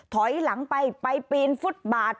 ถอยหลังไปไปปีนฟุตบาท